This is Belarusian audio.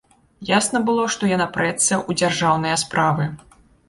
Ясна было, што яна прэцца ў дзяржаўныя справы.